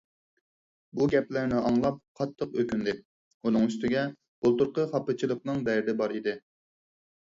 بۇ گەپلەرنى ئاڭلاپ قاتتىق ئۆكۈندى، ئۇنىڭ ئۈستىگە بۇلتۇرقى خاپىچىلىقنىڭ دەردى بار ئىدى.